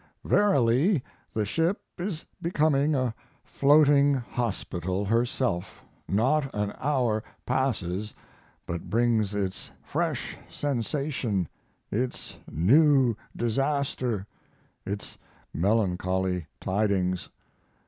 Verily the ship is becoming a floating hospital herself not an hour passes but brings its fresh sensation, its new disaster, its melancholy tidings.